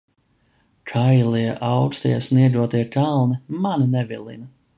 Kailie, aukstie, sniegotie kalni mani nevilina.